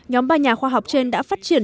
nhóm ba nhà khoa học trên đã phát triển